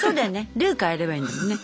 ルー変えればいいんだもんね。